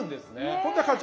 こんな感じ。